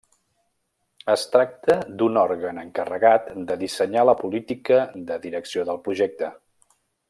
Es tracta d'un òrgan encarregat de dissenyar la política de direcció del projecte.